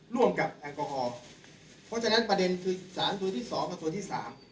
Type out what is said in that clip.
ร่วมกับแอลกอฮอล์เพราะฉะนั้นประเด็นคือสารส่วนที่๒และส่วนที่๓